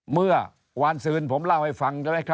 เมื่อวานศึนผมเล่าให้ฟัง